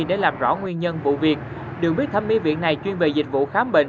để làm rõ nguyên nhân vụ việc được biết thẩm mỹ viện này chuyên về dịch vụ khám bệnh